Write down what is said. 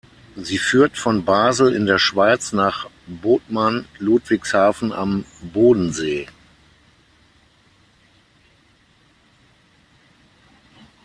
Sie führt von Basel in der Schweiz nach Bodman-Ludwigshafen am Bodensee.